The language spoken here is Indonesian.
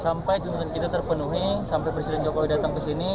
sampai tuntutan kita terpenuhi sampai presiden jokowi datang ke sini